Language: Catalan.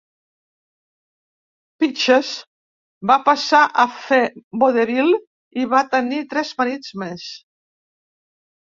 Peaches va passar a fer vodevil i va tenir tres marits més..